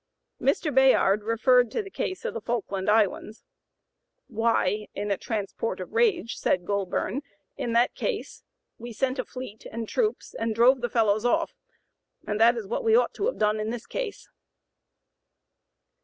Mr. Bayard referred to the case of the Falkland Islands. "'Why' (in a transport of rage), said Goulburn, 'in that case we sent a fleet and troops and drove the fellows off; and that is what we ought to have done in this case.'"